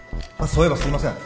そういえばすいません。